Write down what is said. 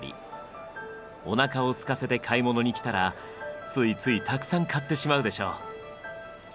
おなかをすかせて買い物に来たらついついたくさん買ってしまうでしょう。